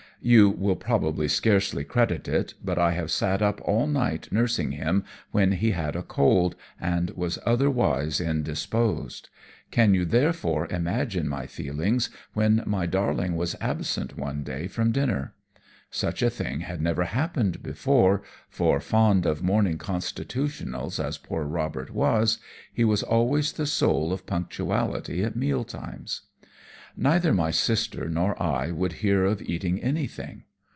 You will probably scarcely credit it, but I have sat up all night nursing him when he had a cold and was otherwise indisposed. Can you therefore imagine my feelings when my darling was absent one day from dinner? Such a thing had never happened before, for, fond of morning 'constitutionals' as poor Robert was, he was always the soul of punctuality at meal times. "Neither my sister nor I would hear of eating anything.